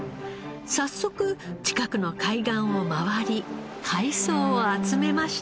早速近くの海岸を回り海藻を集めました。